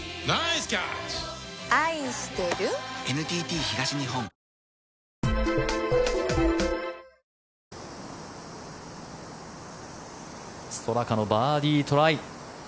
ストラカのバーディートライ。